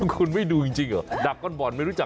คุณไม่ดูจริงเหรอดักก้นบ่อนไม่รู้จัก